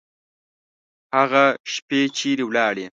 هغه شپې چیري ولاړې؟